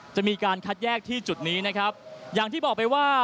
จะมีการคัดแยกที่จุดนี้นะครับอย่างที่บอกไปว่า